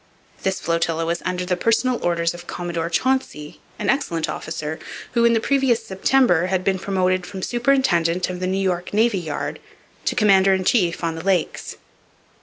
This flotilla was under the personal orders of Commodore Chauncey, an excellent officer, who, in the previous September, had been promoted from superintendent of the New York Navy Yard to commander in chief on the Lakes.